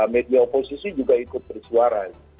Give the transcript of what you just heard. media oposisi juga ikut bersuara